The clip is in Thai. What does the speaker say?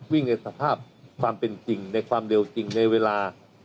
ในสภาพความเป็นจริงในความเร็วจริงในเวลา